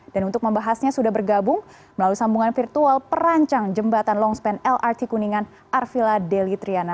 dan untuk membahasnya sudah bergabung melalui sambungan virtual perancang jembatan longspan lrt kuningan arvila delitriana